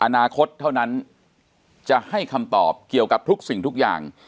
อนาคตเท่านั้นจะให้คำตอบเกี่ยวกับทุกสิ่งทุกอย่าง